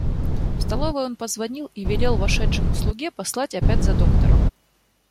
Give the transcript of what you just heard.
В столовой он позвонил и велел вошедшему слуге послать опять за доктором.